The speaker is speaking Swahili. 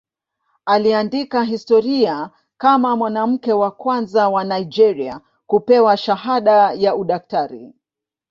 Aliandika historia kama mwanamke wa kwanza wa Nigeria kupewa shahada ya udaktari.